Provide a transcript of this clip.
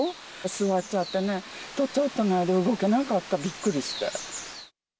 座っちゃってね、ちょっと動けなかった、びっくりして。